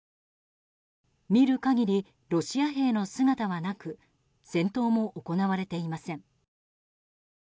見る限りロシア兵の姿はなく戦闘も行われていません。